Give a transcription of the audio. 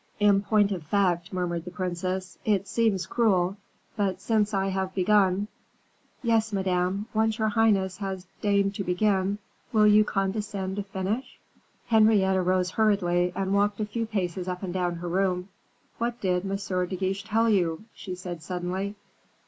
"In point of fact," murmured the princess... "it seems cruel, but since I have begun " "Yes, Madame, once your highness has deigned to begin, will you condescend to finish " Henrietta rose hurriedly and walked a few paces up and down her room. "What did M. de Guiche tell you?" she said, suddenly.